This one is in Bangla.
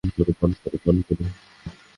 পান কর, পান কর, পান কর।